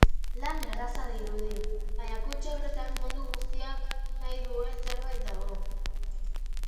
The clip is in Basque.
Lan erraza dirudi, baina kutxa horietan mundu guztiak nahi duen zerbait dago.